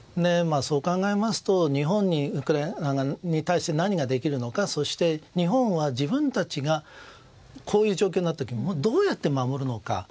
そう考えますと日本は何ができるのかそして日本は自分たちがこういう状況になった時どうやって守るのか。